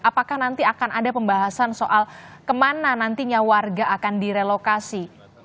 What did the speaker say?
apakah nanti akan ada pembahasan soal kemana nantinya warga akan direlokasi